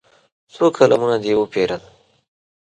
څو قلمونه دې وپېرل.